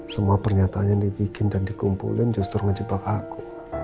semua pernyataan yang dibikin dan dikumpulin justru ngejebak aku